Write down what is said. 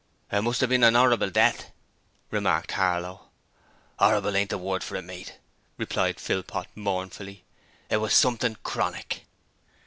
'It must 'ave been a norrible death,' remarked Harlow. ''Orrible ain't the work for it, mate,' replied Philpot, mournfully. 'It was something chronic!'